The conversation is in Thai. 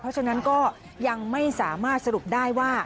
เพราะฉะนั้นก็ยังไม่สามารถสรุปได้ว่า